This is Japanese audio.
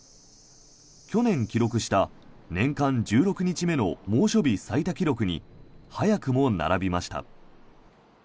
去年記録した年間１６日目の猛暑日最多記録に早くも並びました。